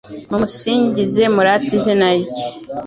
mumusingize murate izina rye